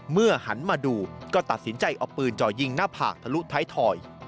หันมาดูก็ตัดสินใจเอาปืนจ่อยิงหน้าผากทะลุท้ายถอย